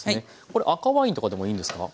これ赤ワインとかでもいいんですか？